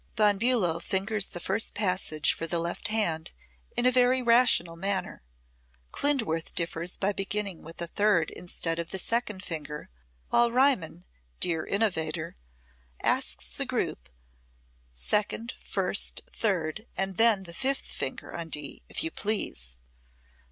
Von Bulow fingers the first passage for the left hand in a very rational manner; Klindworth differs by beginning with the third instead of the second finger, while Riemann dear innovator takes the group: second, first, third, and then, the fifth finger on D, if you please!